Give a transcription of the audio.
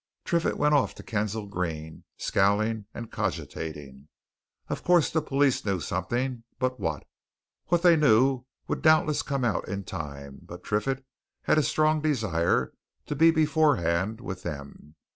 Triffitt went off to Kensal Green, scowling and cogitating. Of course the police knew something! But what? What they knew would doubtless come out in time, but Triffitt had a strong desire to be beforehand with them.